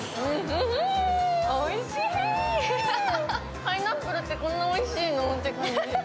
パイナップルってこんなにおいしいのって感じ。